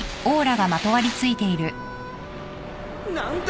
何だ！？